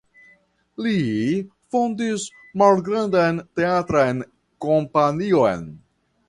Li fondis malgrandan teatran kompanion.